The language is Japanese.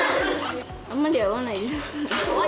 あんまり合わないです。